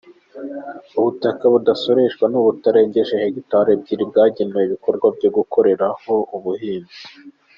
Ubutaka budasoreshwa ni ubutarenze hegitari ebyiri bwagenewe ibikorwa byo gukorerwaho ubuhinzi.